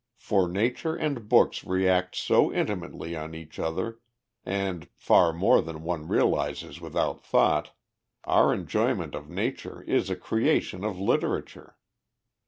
For Nature and books react so intimately on each other, and, far more than one realizes without thought, our enjoyment of Nature is a creation of literature.